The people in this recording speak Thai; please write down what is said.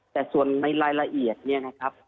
แต่ส่วนในรายละเอียดเนี่ยนะครับ